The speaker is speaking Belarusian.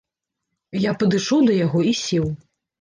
Я падышоў да яго і сеў.